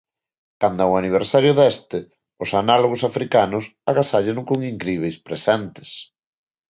Canda o aniversario deste, os análogos africanos agasállano con incríbeis presentes.